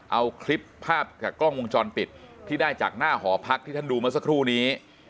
เอาคลิปภาพจากกล้องวงจรปิดที่ได้จากหน้าหอพักที่ท่านดูเมื่อสักครู่นี้